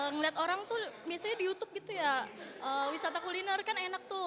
ngeliat orang tuh biasanya di youtube gitu ya wisata kuliner kan enak tuh